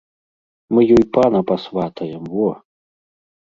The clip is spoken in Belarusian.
Мы ёй пана пасватаем, во!